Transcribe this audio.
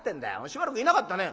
しばらくいなかったね」。